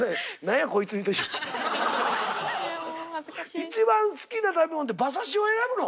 一番好きな食べ物で馬刺しを選ぶの？